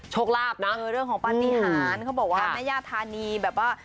โชคลาภนะเรื่องของปฏิหารเขาบอกว่าแม่ย่าธานีแบบว่า